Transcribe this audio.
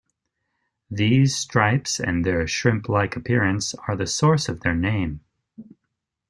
These stripes and their shrimp-like appearance are the source of their name.